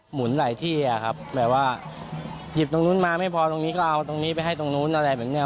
หุนหลายที่อะครับแบบว่าหยิบตรงนู้นมาไม่พอตรงนี้ก็เอาตรงนี้ไปให้ตรงนู้นอะไรแบบนี้